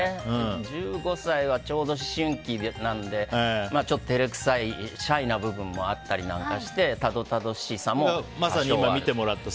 １５歳はちょうど思春期なんでちょっと照れくさいシャイな部分もあったりしてたどたどしさもあって。